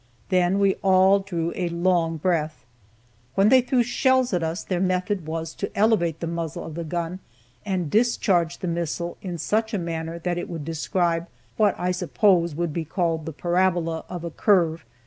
Then we all drew a long breath. When they threw shells at us their method was to elevate the muzzle of the gun, and discharge the missile in such a manner that it would describe what I suppose would be called the parabola of a curve.